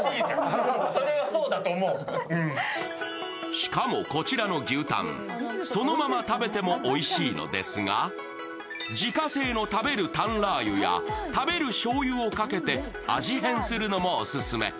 しかもこちらの牛タン、そのまま食べてもおいしいのですが自家製の食べるタンラー油や食べる醤油をかけて味変するのもオススメ。